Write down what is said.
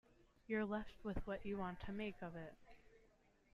You're left with what you want to make of it.